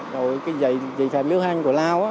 đối với cái giấy phép nước hạng của lao á